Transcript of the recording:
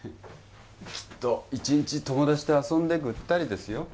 きっと一日友達と遊んでぐったりですよ